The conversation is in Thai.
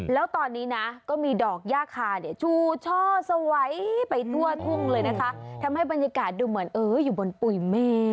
แล้วตอนนี้นะก็มีดอกย่าคาเนี่ยชูช่อสวัยไปทั่วทุ่งเลยนะคะทำให้บรรยากาศดูเหมือนอยู่บนปุ๋ยแม่